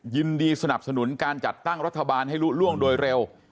ยินดีสนับสนุนการจัดตั้งรัฐบาลให้ลุล่วงโดยเร็ว